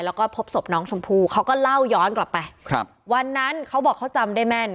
แล้วก็พบศพน้องชมพู่เขาก็เล่าย้อนกลับไปครับวันนั้นเขาบอกเขาจำได้แม่น